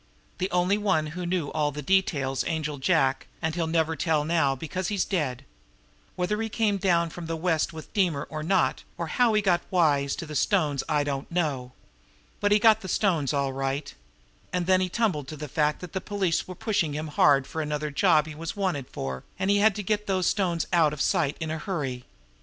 "The only one who knew all the details Angel Jack, and he'll never tell now because he's dead. Whether he came down from the West with Deemer or not, or how he got wise to the stones, I don't know. But he got the stones, all right. And then he tumbled to the fact that the police were pushing him hard for another job he was 'wanted' for, and he had to get those stones out of sight in a hurry.